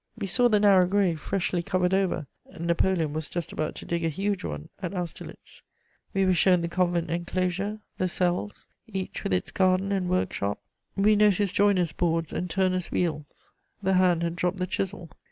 We saw the narrow grave freshly covered over: Napoleon was just about to dig a huge one at Austerlitz. We were shown the convent enclosure, the cells, each with its garden and workshop; we noticed joiners' boards and turners' wheels: the hand had dropped the chisel.